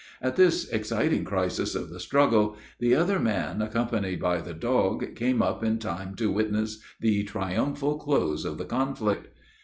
At this exciting crisis of the struggle, the other man, accompanied by the dog, came up in time to witness the triumphal close of the conflict.